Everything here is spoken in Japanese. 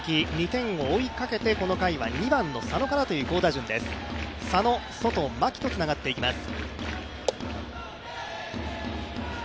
２点を追いかけて、この回は２番の佐野からという好打順です。